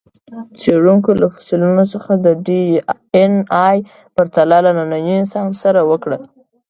څېړونکو له فسیلونو څخه د ډياېناې پرتله له ننني انسان سره وکړه.